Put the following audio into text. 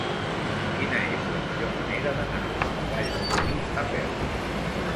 Quina és la millor manera d'anar a la Vall de Boí a peu?